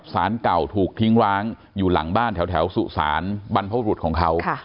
สารเก่าถูกทิ้งร้างอยู่หลังบ้านแถวสุสานบรรพบรุษของเขา